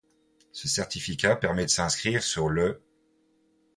Ce certificat permet de s'inscrire sur le '.